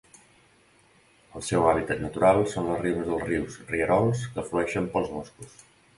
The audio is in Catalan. El seu hàbitat natural són les ribes de rius i rierols que flueixen pels boscos.